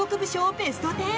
ベスト１０。